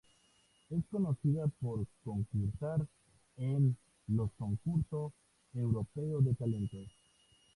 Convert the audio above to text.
Es conocida por concursar en los concurso Europeo de talentos.